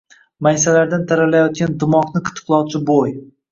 Maysalardan taralayotgan dimoqni qitiqlovchi bo‘y